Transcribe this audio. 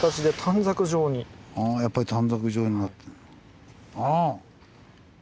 やっぱり短冊状になってんだ。